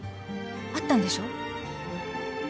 会ったんでしょ？